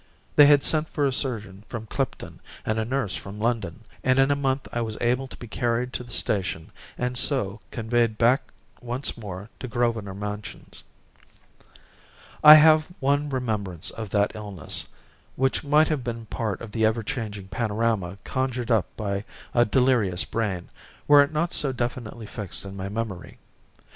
They had sent for a surgeon from Clipton and a nurse from London, and in a month I was able to be carried to the station, and so conveyed back once more to Grosvenor Mansions. I have one remembrance of that illness, which might have been part of the ever changing panorama conjured up by a delirious brain were it not so definitely fixed in my memory.